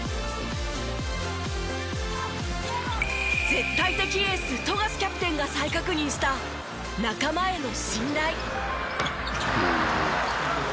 絶対的エース富樫キャプテンが再確認した仲間への信頼。